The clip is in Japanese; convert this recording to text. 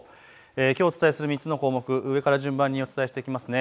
きょうお伝えする３つの項目上から順番にお伝えしていきます。